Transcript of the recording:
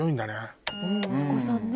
息子さんね。